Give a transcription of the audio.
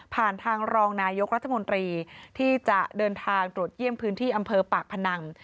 ทางรองนายกรัฐมนตรีที่จะเดินทางตรวจเยี่ยมพื้นที่อำเภอปากพนัง